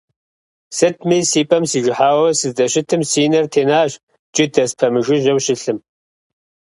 Сытми, си пӀэм сижыхьауэ сыздэщытым, си нэр тенащ джыдэ спэмыжыжьэу щылъым.